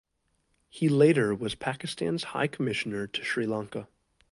He later was Pakistan's High Commissioner to Sri Lanka.